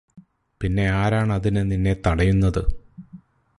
പിന്നെയാരാണതിന് നിന്നെ തടയുന്നത്